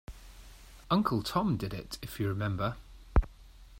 Uncle Tom did it, if you remember.